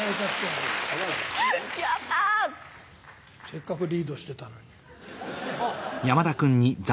せっかくリードしてたのに。